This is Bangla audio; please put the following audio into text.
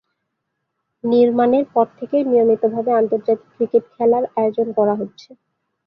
নির্মাণের পর থেকেই নিয়মিতভাবে আন্তর্জাতিক ক্রিকেট খেলার আয়োজন করা হচ্ছে।